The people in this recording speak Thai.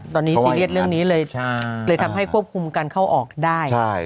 ตอนนี้ซีเรียสเรื่องนี้เลยเลยทำให้ควบคุมการเข้าออกได้